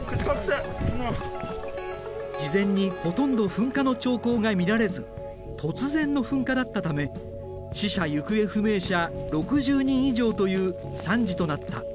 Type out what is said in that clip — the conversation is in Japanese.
事前にほとんど噴火の兆候が見られず突然の噴火だったため死者・行方不明者６０人以上という惨事となった。